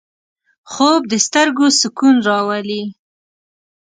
خوب د سترګو سکون راولي